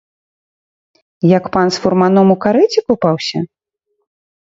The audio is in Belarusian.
Як пан з фурманом у карэце купаўся?